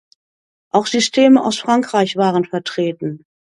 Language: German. Auch Systeme aus Frankreich waren vertreten.